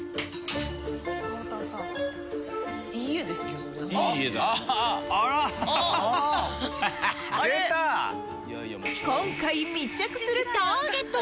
今回密着するターゲットは